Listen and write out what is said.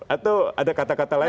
atau ada kata kata lain